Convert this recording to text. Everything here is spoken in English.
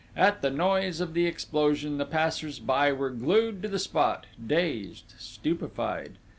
At the noise of the explosion, the passers by were glued to the spot, dazed, stupefied.